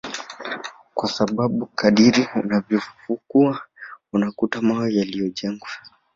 kwa sababu kadiri unavyofukua unakuta mawe yaliyojengwa